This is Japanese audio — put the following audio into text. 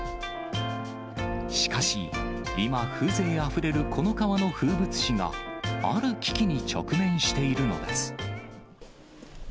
しかし、今、風情あふれるこの川の風物詩がある危機に直面しているのです。